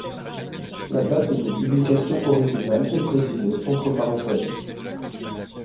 La date de publication originale est précisée entre parenthèses.